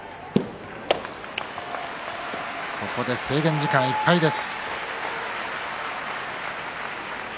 ここで制限時間いっぱいです。